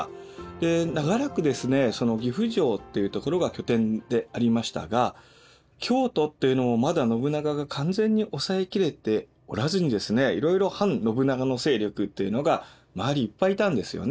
で長らく岐阜城っていうところが拠点でありましたが京都っていうのをまだ信長が完全におさえ切れておらずにいろいろ反信長の勢力っていうのが周りいっぱいいたんですよね。